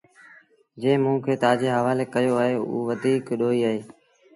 جنٚهنٚ موٚنٚ کي تآجي هوآلي ڪيو اهي اوٚ وڌيٚڪ ڏوهيٚ اهي۔